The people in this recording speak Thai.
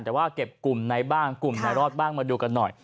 แต่ว่าเก็บกลุ่มไหนบ้างกลุ่มไหนรอดบ้างมาดูกันหน่อย